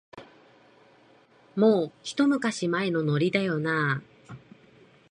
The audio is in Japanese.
もう、ひと昔前のノリだよなあ